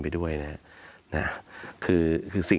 สวัสดีครับทุกคน